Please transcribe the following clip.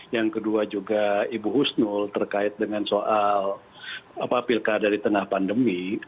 yang kedua juga ibu husnul terkait dengan soal pilkada di tengah pandemi